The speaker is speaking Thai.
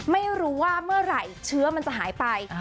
ไม่รู้ว่าเมื่อไหร่เชื้อมันจะหายไป